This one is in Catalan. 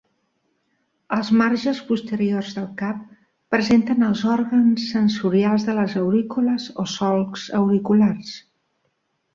Als marges posteriors del cap presenten els òrgans sensorials de les aurícules o solcs auriculars.